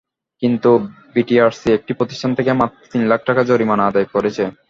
কিন্তু বিটিআরসি একটি প্রতিষ্ঠান থেকে মাত্র তিন লাখ টাকা জরিমানা আদায় করেছে।